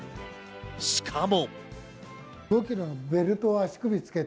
しかも。